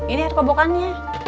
ini ada pebokannya